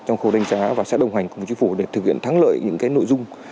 trong khâu đánh giá và sẽ đồng hành cùng với chính phủ để thực hiện thắng lợi những nội dung